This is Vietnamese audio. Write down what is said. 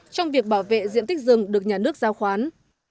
trong việc bảo vệ diện tích rừng được nhà nước giao khoán